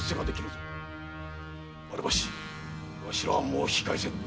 丸橋わしらはもう引き返せぬ。